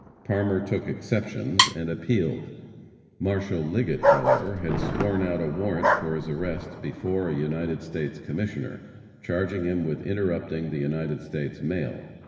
Parmer took exceptions and appealed. Marshal Liggett, however, had sworn out a warrant for his arrest before a United States Commissioner, charging him with interrupting the United States mail.